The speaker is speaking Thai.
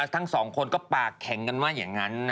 ทั้งสองคนก็ปากแข็งกันว่าอย่างนั้น